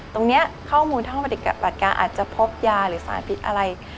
ตรงนี้ข้อมูลทางห้องปฏิบัติการอาจจะพบยาหรือสารพิษอะไร